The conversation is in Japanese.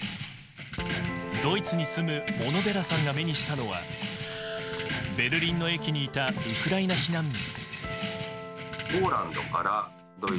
ドイツに住む小野寺さんが目にしたのはベルリンの駅にいたウクライナ避難民。